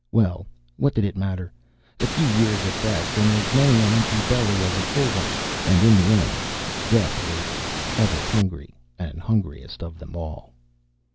Well, what did it matter? A few years at best, and as many an empty belly as a full one. And in the end, Death waited, ever hungry and hungriest of them all.